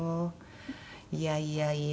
いやいやいや